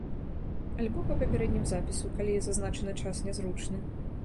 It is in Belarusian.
Альбо па папярэднім запісу, калі зазначаны час не зручны.